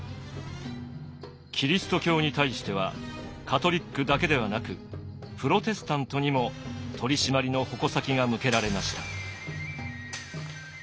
キリスト教に対してはカトリックだけではなくプロテスタントにも取締りの矛先が向けられました。